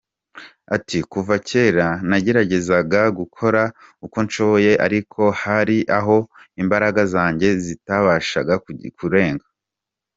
Ati “ kuva kera, ngerageza gukora uko nshoboye ariko hari aho imbaraga zanjye zitabasha kurenga.